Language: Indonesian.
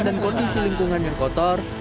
dan kondisi lingkungan yang kotor